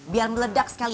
biar meledak sekalian